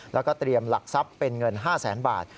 แล้วก็เตรียมหลักทรัพย์เป็นเงิน๕แสนบาท